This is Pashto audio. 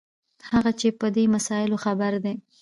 هغه چې په دې مسایلو خبر دي.